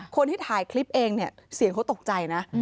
คนที่ถ่ายคลิปเองเนี่ยเสียงเขาตกใจนะ